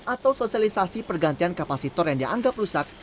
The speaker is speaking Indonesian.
atau sosialisasi pergantian kapasitor yang dianggap rusak